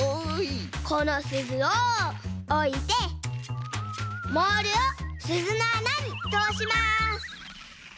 このすずをおいてモールをすずのあなにとおします。